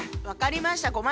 分かりました。